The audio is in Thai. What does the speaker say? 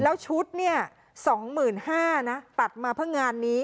แล้วชุดเนี่ยสองหมื่นห้านะตัดมาเพื่องานนี้